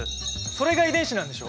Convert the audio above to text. それが遺伝子なんでしょ？